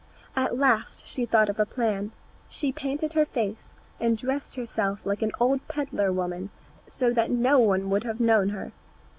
At last she thought of a plan; she painted her face and dressed herself like an old pedlar woman, so that no one would have known her.